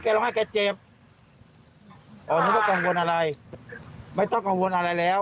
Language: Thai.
ร้องไห้แกเจ็บอ๋อนี่ก็กังวลอะไรไม่ต้องกังวลอะไรแล้ว